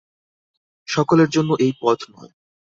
সকলের জন্য এই পথ নয়।